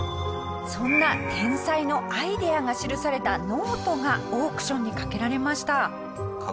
そんな天才のアイデアが記されたノートがオークションにかけられました。